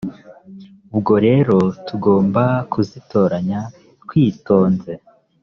ubwo rero tugomba kuzitoranya twitonze